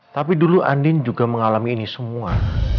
tapi dulu andin juga mengalami ini semua